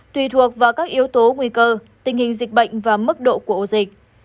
tùy thuộc vào các yếu tố nguy cơ tình hình dịch bệnh và mức độ của ổ dịch